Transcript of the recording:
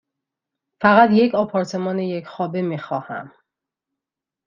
فقط یک آپارتمان یک خوابه می خواهم.